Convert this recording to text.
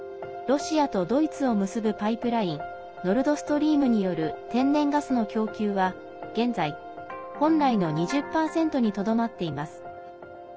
ロシアとドイツを結ぶパイプラインノルドストリームによる天然ガスの供給は現在、本来の２０％にとどまっています。